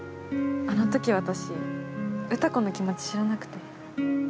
あの時私詩子の気持ち知らなくて。